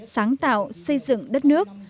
sáng tạo xây dựng đất nước